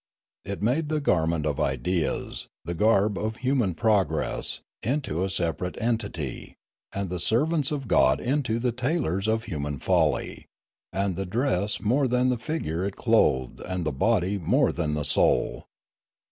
It made the garment of ideas, the garb of human progress, into a separate entity, and the servants of God into the tailors of human folly, the dress more than the figure it clothed and the body more than the soul.